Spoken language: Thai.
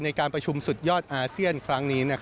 ในการประชุมสุดยอดอาเซียนครั้งนี้